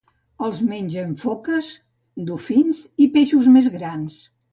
Els mengen foques, dofins i peixos més grans.